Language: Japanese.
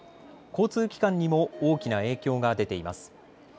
交通機関にも大きな影響が出ています。